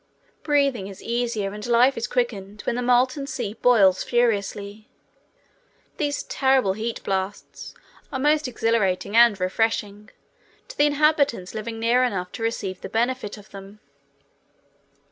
Breathing is easier and life is quickened when the molten sea boils furiously. These terrible heat blasts are most exhilarating and refreshing to the inhabitants living near enough to receive the benefit of them.